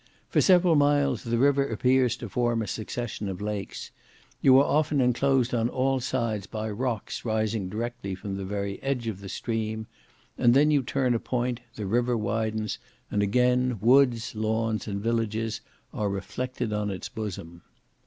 For several miles the river appears to form a succession of lakes; you are often enclosed on all sides by rocks rising directly from the very edge of the stream, and then you turn a point, the river widens, and again woods, lawns, and villages are reflected on its bosom.